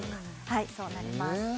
はいそうなります